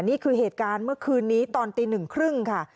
นี่คือเหตุการณ์เมื่อคืนนี้ตอนตีหนึ่งครึ่งค่ะ